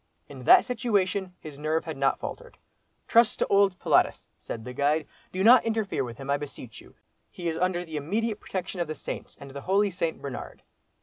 In that situation his nerve had not faltered. "Trust to old 'Pilatus,'" said the guide; "do not interfere with him, I beseech you; he is under the immediate protection of the saints, and the holy St. Bernard."